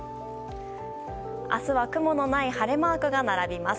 明日は雲のない晴れマークが並びます。